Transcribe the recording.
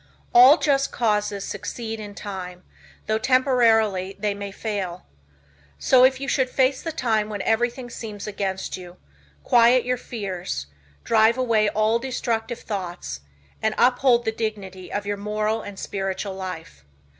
All just causes succeed in time, though temporarily they may fail. So if you should face the time when everything seems against you, quiet your fears, drive away all destructive thoughts and uphold the dignity of your moral and spiritual life.